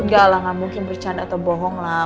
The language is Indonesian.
gak lah gak mungkin bercanda atau bohong lah